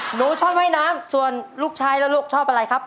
หนูชอบว่ายน้ำส่วนลูกชายแล้วลูกชอบอะไรครับ